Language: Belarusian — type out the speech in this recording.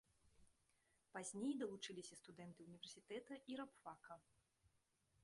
Пазней далучыліся студэнты ўніверсітэта і рабфака.